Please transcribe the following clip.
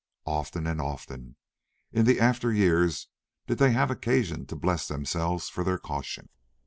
Often and often in the after years did they have occasion to bless themselves for their caution.